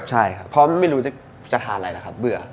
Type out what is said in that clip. ใช่ครับเพราะไม่รู้จะทานอะไรนะครับเบื่อ